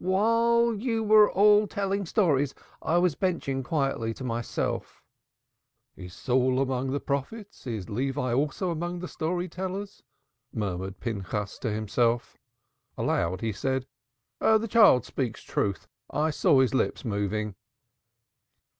While you were all telling stories I was benshing quietly to myself." "Is Saul also among the prophets, is Levi also among the story tellers?" murmured Pinchas to himself. Aloud he said: "The child speaks truth; I saw his lips moving."